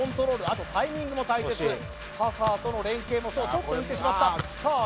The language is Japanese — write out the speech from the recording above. あとタイミングも大切パサーとの連携もそうちょっと浮いてしまったさあ